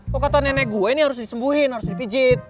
kok kata nenek gue ini harus disembuhin harus dipijet